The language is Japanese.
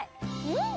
うん！